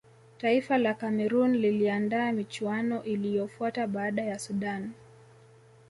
taifa la cameroon liliandaa michuano iliyofuata baada ya sudan